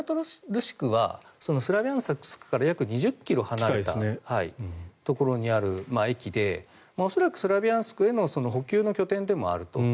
スラビャンスクから約２０ｋｍ離れたところにある駅で恐らくスラビャンスクへの補給の拠点でもあると。